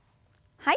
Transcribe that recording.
はい。